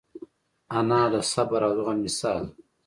انا د صبر او زغم مثال ده